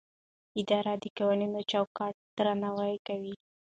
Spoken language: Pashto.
اداره د قانوني چوکاټ درناوی کوي.